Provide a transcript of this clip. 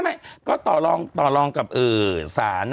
ไม่ก็ต่อรองกับอื่นสนิมห์สาน